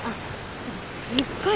すっごい